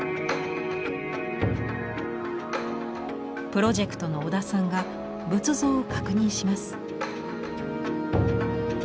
プロジェクトの織田さんが仏像を確認します。